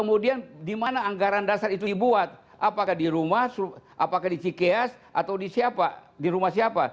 jadi di mana anggaran dasar itu dibuat apakah di rumah apakah di cks atau di siapa di rumah siapa